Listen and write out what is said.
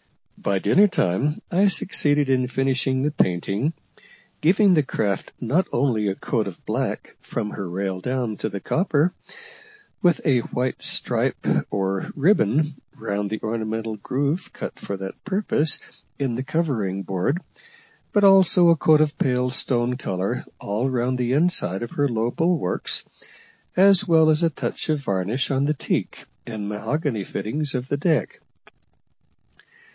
By dinner time I succeeded in finishing the painting, giving the craft not only a coat of black from her rail down to the copper, with a white stripe or ribbon round the ornamental groove cut for that purpose in the covering board, but also a coat of pale stone colour all round the inside of her low bulwarks, as well as a touch of varnish on the teak and mahogany fittings of the deck.